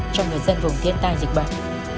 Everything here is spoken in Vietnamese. cho người dân vùng thiên tai dịch bệnh